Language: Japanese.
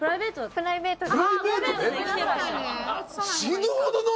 プライベートで！？